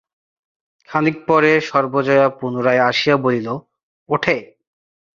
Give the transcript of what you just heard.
খানিক পরে সর্বজয়া পুনরায় আসিয়া বলিল, ওঠে।